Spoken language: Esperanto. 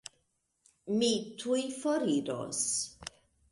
Mi tuj foriros.